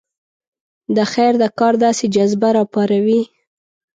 د خیر د کار داسې جذبه راپاروي.